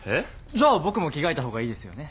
じゃあ僕も着替えたほうがいいですよね？